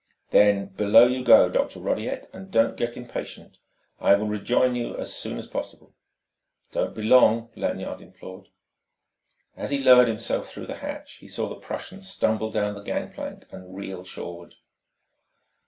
"Then below you go, Dr. Rodiek. And don't get impatient: I will rejoin you as soon as possible." "Don't be long," Lanyard implored. As he lowered himself through the hatch he saw the Prussian stumble down the gangplank and reel shoreward.